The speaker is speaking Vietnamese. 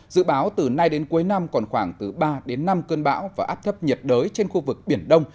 dự báo từ nay đến cuối năm còn khoảng từ ba đến năm cơn bão và áp thấp nhiệt đới trên khu vực biển đông